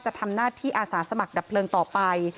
จะทำหน้าที่อาสาสมัครดับเพลิงต่อไป